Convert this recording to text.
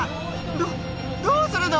どどうするの？